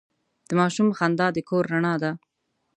د ماشوم خندا د کور رڼا ده.